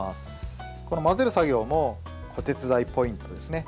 混ぜる作業も子手伝いポイントですね。